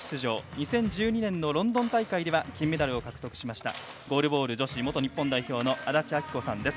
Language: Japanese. ２０１２年のロンドン大会では金メダルを獲得されましたゴールボール女子元日本代表の安達阿記子さんです。